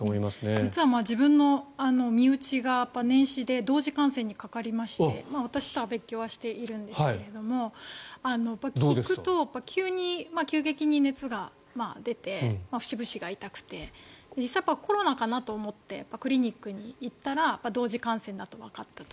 実は自分の身内が年始で同時感染にかかりまして私とは別居はしているんですが聞くと、急激に熱が出て節々が痛くて実際、コロナかなと思ってクリニックに行ったら同時感染だとわかったと。